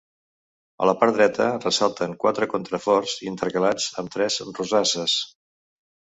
A la part dreta ressalten quatre contraforts intercalats amb tres rosasses.